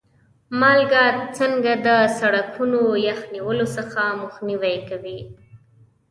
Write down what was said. مالګه څنګه د سړکونو یخ نیولو څخه مخنیوی کوي؟